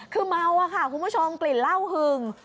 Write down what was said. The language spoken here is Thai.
คือเมาอะค่ะคุณผู้ชมกลิ่นเหล้าหึง